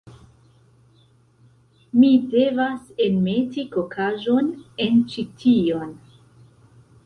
Mi devas enmeti kokaĵon en ĉi tion